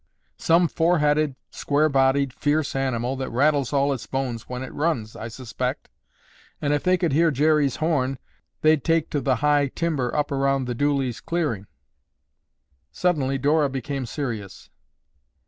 "Some four headed, square bodied fierce animal that rattles all its bones when it runs, I suspect, and if they could hear Jerry's horn, they'd take to the high timber up around the Dooleys' clearing." Suddenly Dora became serious.